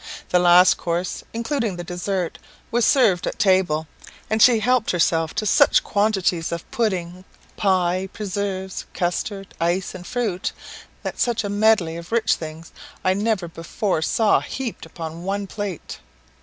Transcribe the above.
The last course, including the dessert, was served at table, and she helped herself to such quantities of pudding, pie, preserves, custard, ice, and fruit, that such a medley of rich things I never before saw heaped upon one plate.